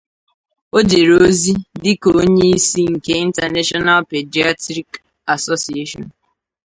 O jere ozi dị ka Onye isi nke International Pediatric Association.